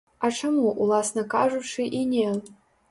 А чаму, уласна кажучы, і не?